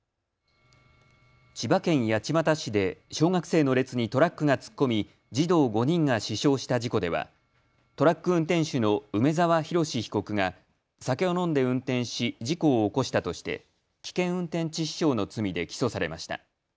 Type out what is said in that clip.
千葉県八街市で小学生の列にトラックが突っ込み児童５人が死傷した事故ではトラック運転手の梅澤洋被告が酒を飲んで運転し事故を起こしたとして危険運転致死傷の罪で起訴されました。